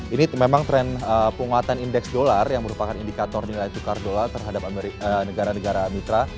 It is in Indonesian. ini memang tren penguatan indeks dolar yang merupakan indikator nilai tukar dolar terhadap negara negara mitra